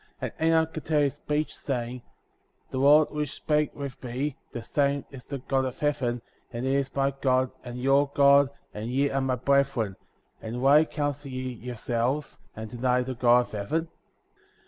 ^ 43. And Enoch continued his speech, saying: The Lord which spake with me, the same is the God of heaven, and he is my God, and your God, and ye are my brethren, and why counsel ye yourselves, and deny the God of heaven?